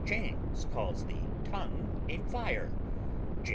James calls the Tongue a fire, Jam.